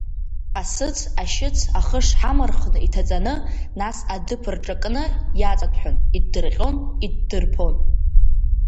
Асыц, ашьыц ахы шҳамырхны иҭаҵаны, нас адыԥ рҿакны иаҵаҭәҳәан иҭдырҟьон, иҭдырԥон.